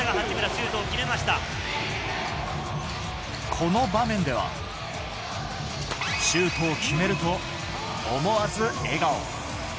この場面では、シュート決めると思わず笑顔。